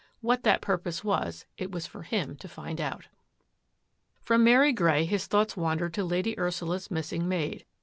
What purpose was it was for him to find out. From Mary Grey his thoughts wandered to ] Ursula's missing maid.